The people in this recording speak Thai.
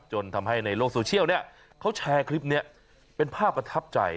จนทำให้ในโลกโซเชียลเนี่ยเขาแชร์คลิปนี้เป็นภาพประทับใจ